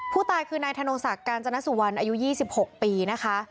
ผู้ตายคือนายธนงศักดิ์กาญจนสุวรรณอายุ๒๖ปีนะคะ